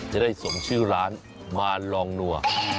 จะได้สมชื่อร้านมาลองนัว